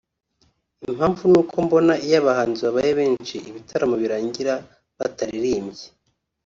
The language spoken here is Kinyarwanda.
“impamvu ni uko mbona iyo abahanzi babaye benshi ibitaramo birangira bataririmbye